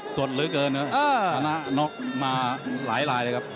ส่วนลึกเลยเนอะชนะนกมาหลายเลยครับ